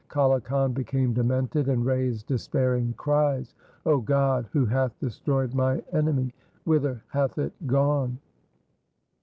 Kale Khan became demented, and raised despairing cries. ' O God, who hath destroyed mine army ? whither hath it gone